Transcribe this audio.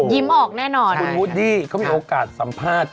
ยิ้มออกแน่นอนครับคุณฮูดดี้เขามีโอกาสสัมภาษณ์